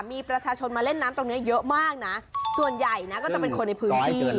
มีประชาชนมาเล่นน้ำตรงนี้เยอะมากนะส่วนใหญ่นะก็จะเป็นคนในพื้นที่